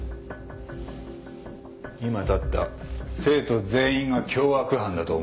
今立った生徒全員が凶悪犯だと思え。